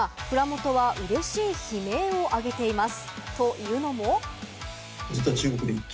実は今、蔵元はうれしい悲鳴をあげています。